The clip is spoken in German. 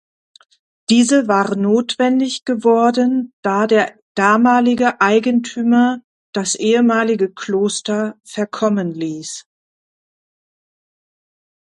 Diese war notwendig geworden, da der damalige Eigentümer das ehemalige Kloster verkommen ließ.